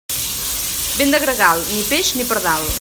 Vent de gregal, ni peix ni pardal.